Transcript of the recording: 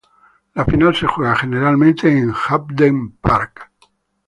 La final se juega generalmente en Hampden Park.